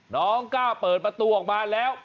น้องกล้าเปิดประตูออกมาแล้ว